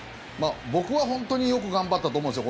僕は、本当によく頑張ったと思うんですよ。